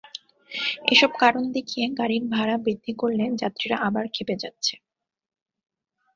এসব কারণ দেখিয়ে গাড়ির ভাড়া বৃদ্ধি করলে যাত্রীরা আবার খেপে যাচ্ছে।